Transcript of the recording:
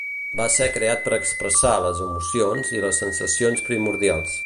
Va ser creat per expressar les emocions i les sensacions primordials.